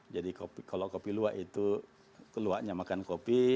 jadi kalau kopi luwak itu keluarnya makan kopi